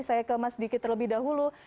saya ke mas diki terlebih dahulu